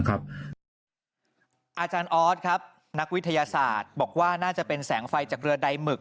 อาจารย์ออสครับนักวิทยาศาสตร์บอกว่าน่าจะเป็นแสงไฟจากเรือใดหมึก